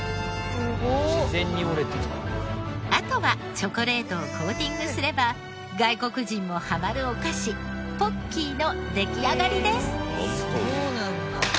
あとはチョコレートをコーティングすれば外国人もハマるお菓子ポッキーの出来上がりです。